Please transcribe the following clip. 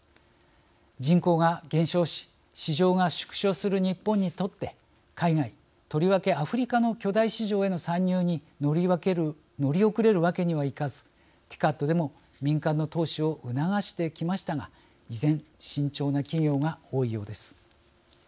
人口が減少し市場が縮小する日本にとって海外、とりわけアフリカの巨大市場への参入に乗り遅れるわけにはいかずＴＩＣＡＤでも民間の投資を促してきましたが依然、慎重な企業が多いようです。